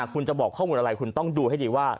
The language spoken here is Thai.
คุณจะบอกข้อมูลอะไรคุณต้องดูให้ดีว่า